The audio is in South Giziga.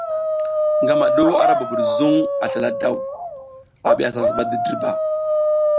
Ngama du ara bubud zuŋ a slala daw, a bi a sa zuɓa ti dirba.